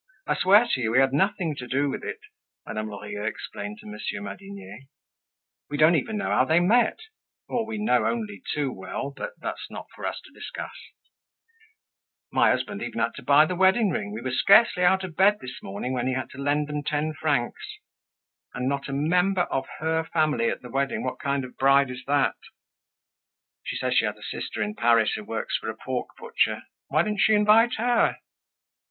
"I swear to you, we had nothing to do with it," Madame Lorilleux explained to Monsieur Madinier. "We don't even know how they met, or, we know only too well, but that's not for us to discuss. My husband even had to buy the wedding ring. We were scarcely out of bed this morning when he had to lend them ten francs. And, not a member of her family at her wedding, what kind of bride is that? She says she has a sister in Paris who works for a pork butcher. Why didn't she invite her?"